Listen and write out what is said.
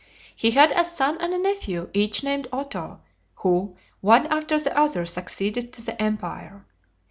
He had a son and a nephew, each named Otho, who, one after the other, succeeded to the empire.